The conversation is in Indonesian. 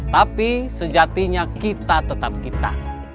tapi sejatinya kita tetap kita